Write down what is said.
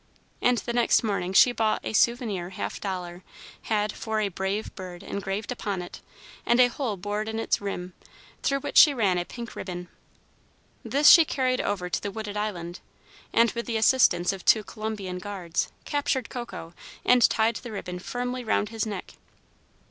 And the next morning she bought a souvenir half dollar, had "For a Brave Bird" engraved upon it, and a hole bored in its rim, through which she ran a pink ribbon. This she carried over to the Wooded Island, and, with the assistance of two Columbian guards, captured Coco, and tied the ribbon firmly round his neck.